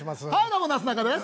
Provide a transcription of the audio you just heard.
どうもなすなかです！